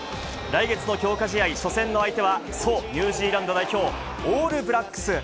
来月の強化試合、初戦の相手は、そう、ニュージーランド代表、オールブラックス。